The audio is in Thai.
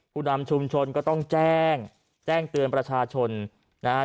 ผู้นำชุมชนก็ต้องแจ้งแจ้งเตือนประชาชนนะฮะ